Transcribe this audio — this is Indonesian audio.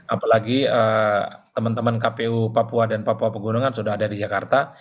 apalagi teman teman kpu papua dan papua pegunungan sudah ada di jakarta